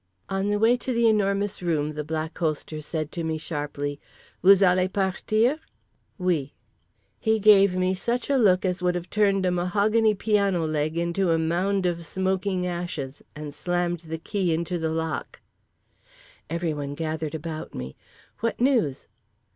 On the way to The Enormous Room the Black Holster said to me sharply: "Vous allez partir?" "Oui." He gave me such a look as would have turned a mahogany piano leg into a mound of smoking ashes, and slammed the key into the lock. —Everyone gathered about me. "What news?"